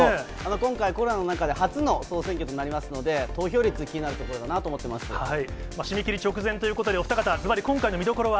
今回、コロナの中で初の総選挙となりますので、投票率、気になる締め切り直前ということで、お二方、ずばり、今回の見どころは？